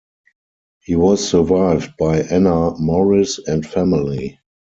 He was survived by Anna Morris and family.